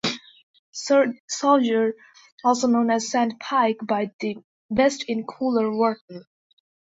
Sauger, also known as sand pike, bite the best in cooler water.